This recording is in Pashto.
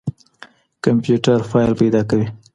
کمپيوټر فايل پيدا کوي.